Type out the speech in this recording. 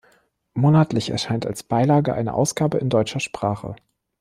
Monatlich erscheint als Beilage eine Ausgabe in deutscher Sprache.